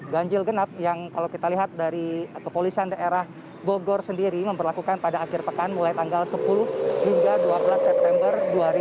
ganjil genap yang kalau kita lihat dari kepolisian daerah bogor sendiri memperlakukan pada akhir pekan mulai tanggal sepuluh hingga dua belas september dua ribu dua puluh